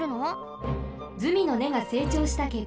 ズミのねがせいちょうしたけっかです。